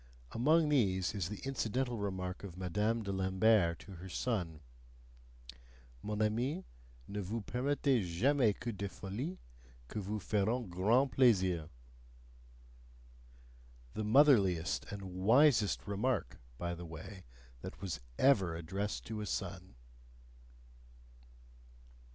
Among these is the incidental remark of Madame de Lambert to her son: "MON AMI, NE VOUS PERMETTEZ JAMAIS QUE DES FOLIES, QUI VOUS FERONT GRAND PLAISIR" the motherliest and wisest remark, by the way, that was ever addressed to a son.